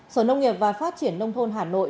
sở nông nghiệp và phát triển nông thôn hà nội